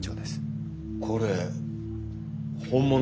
これ本物？